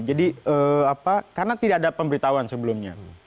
jadi karena tidak ada pemberitahuan sebelumnya